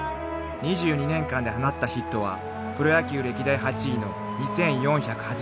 ［２２年間で放ったヒットはプロ野球歴代８位の２，４８０本］